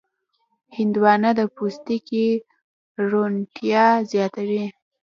هندوانه د پوستکي روڼتیا زیاتوي.